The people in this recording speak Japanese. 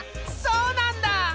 そうなんだ！